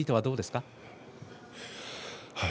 どうですか。